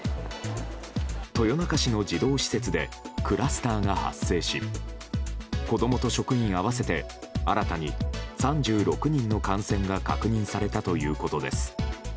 豊中市の児童施設でクラスターが発生し子供と職員合わせて新たに３６人の感染が確認されたということです。